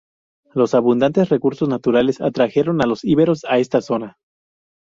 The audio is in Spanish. Los abundantes recursos naturales atrajeron a los íberos a esta zona.